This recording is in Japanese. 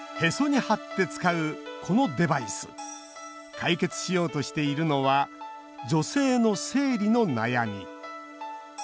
解決しようとしているのは女性の生理の悩み